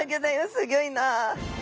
すギョいなあ。